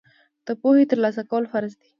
د پوهې ترلاسه کول فرض دي.